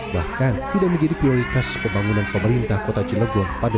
bahkan tidak menjadi prioritas pembangunan pemerintah kota cilegon pada dua ribu dua puluh